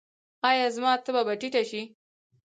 ایا زما تبه به ټیټه شي؟